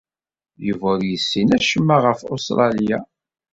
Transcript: Yuba ur yessin acemma ɣef Ustṛalya.